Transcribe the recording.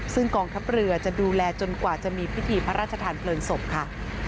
ซึ่งกองทัพเรือจะดูแลจนกว่าจะมีพิธีพระราชทานเพลิงศพค่ะ